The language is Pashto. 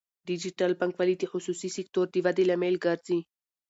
ډیجیټل بانکوالي د خصوصي سکتور د ودې لامل ګرځي.